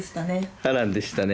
波乱でしたね。